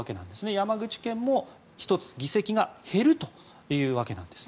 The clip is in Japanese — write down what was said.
山口県も１つ議席が減るというわけです。